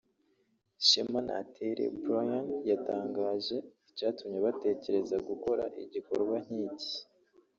Shema Natere Brian yatangaje icyatumye batekerezagukora igikorwa nk’iki